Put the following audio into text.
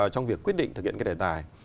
trong việc quyết định thực hiện cái đề tài